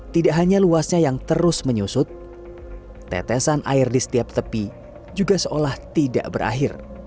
tidak hanya luasnya yang terus menyusut tetesan air di setiap tepi juga seolah tidak berakhir